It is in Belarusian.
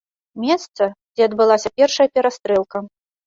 Месца, дзе адбылася першая перастрэлка.